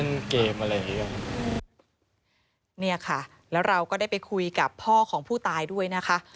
เนี่ยค่ะแล้วเราก็ได้ไปคุยกับพ่อของผู้ตายด้วยนะคะ